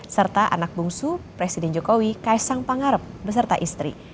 serta anak bungsu presiden jokowi kaisang pangarep beserta istri